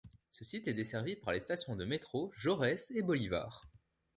Ce site est desservi par les stations de métro Jaurès et Bolivar.